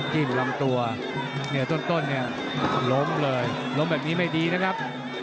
จิ้มลำตัวเหนือต้นล้มเลยล้มแบบนี้ไม่ดีนะครับ